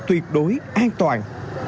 và tuyệt đối an toàn